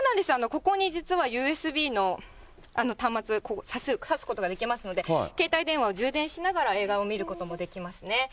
ここに実はＵＳＢの端末、さすことができますので、携帯電話を充電しながら映画を見ることもできますね。